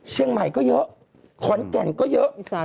เชียงใหม่ก็เยอะขอนแก่นก็เยอะ